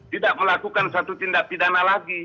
tidak melakukan satu tindak pidana lagi